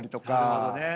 なるほどね。